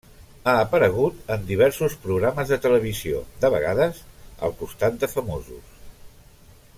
Ha aparegut en diversos programes de televisió, de vegades al costat de famosos.